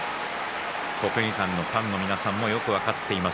国技館のファンもよく分かっています